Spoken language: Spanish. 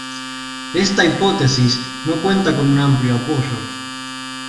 Esta hipótesis no cuenta con un amplio apoyo.